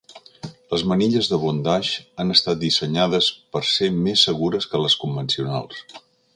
Les manilles de bondage han estat dissenyades per ser més segures que les convencionals.